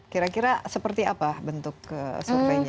kira kira seperti apa bentuk surveinya